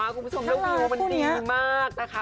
คุณผู้ชมแล้ววิวมันดีมากนะคะ